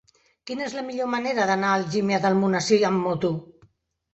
Quina és la millor manera d'anar a Algímia d'Almonesir amb moto?